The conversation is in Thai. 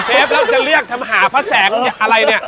เชฟเราจะเลือกทำหาพระแสงอะไรเนี่ย